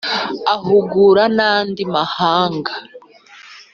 ahungura n'andi mahanga